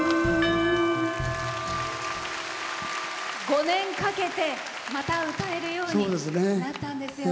５年かけて、また歌えるようになったんですよね。